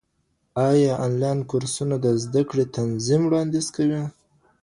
ايا انلاين کورسونه د زده کړې تنظیم وړاندیز کوي؟